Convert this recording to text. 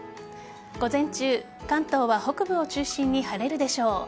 午前中、関東は北部を中心に晴れるでしょう。